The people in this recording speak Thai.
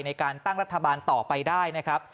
ในการตั้งรัฐบาลต่อไปได้นะครับ